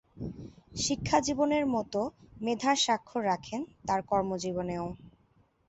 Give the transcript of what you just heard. শিক্ষাজীবনের মতো মেধার স্বাক্ষর রাখেন তার কর্মজীবনেও।